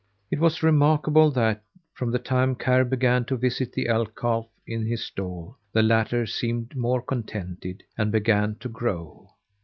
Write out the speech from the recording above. It was remarkable that, from the time Karr began to visit the elk calf in his stall, the latter seemed more contented, and began to grow.